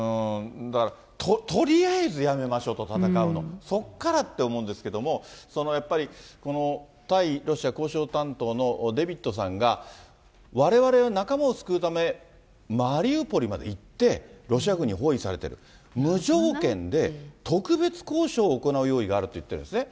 だから、とりあえずやめましょうと、戦うの、そこからって思うんですけど、やっぱり対ロシア交渉担当のデビッドさんが、われわれは仲間を救うため、マリウポリまで行って、ロシア軍に包囲されている、無条件で、特別交渉を行う用意があるって言ってるんですね。